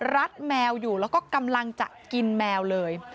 แมวอยู่แล้วก็กำลังจะกินแมวเลย